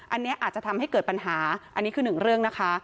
อันนี้อาจจะทำให้เกิดปัญหาอันนี้คือหนึ่งเรื่องนะคะ